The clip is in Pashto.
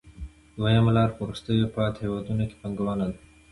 دویمه لار په وروسته پاتې هېوادونو کې پانګونه ده